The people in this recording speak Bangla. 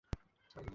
তোর মা-বাবা জানে?